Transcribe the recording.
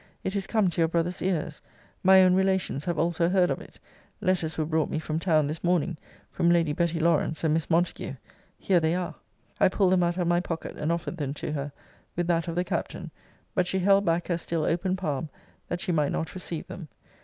It is come to your brother's ears. My own relations have also heard of it. Letters were brought me from town this morning, from Lady Betty Lawrance, and Miss Montague. Here they are. [I pulled them out of my pocket, and offered them to her, with that of the Captain; but she held back her still open palm, that she might not receive them.